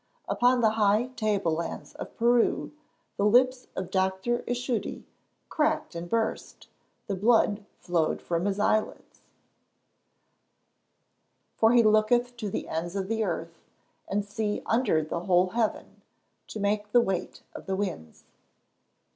Upon the high table lands of Peru, the lips of Dr. Ischudi cracked and burst; and blood flowed from his eyelids. [Verse: "For he looketh to the ends of the earth, and seeth under the whole heaven; To make the weight for the winds."